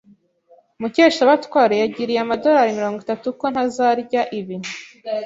Mukeshabatware yangiriye amadorari mirongo itatu ko ntazarya ibi.